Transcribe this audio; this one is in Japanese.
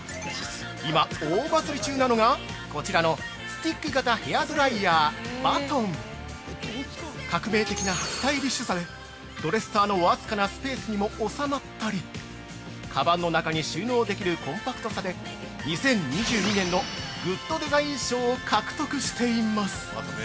今大バズり中なのが、こちらの「スティック型ヘアドライヤー・バトン」革命的なスタイリッシュさで、ドレッサーのわずかなスペースにも収まったり、カバンの中に収納できるコンパクトさで、２０２２年のグッドデザイン賞を獲得しています！